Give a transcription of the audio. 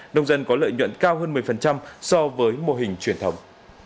nông dân có lợi nhuận cao hơn một mươi so với mô hình truyền thống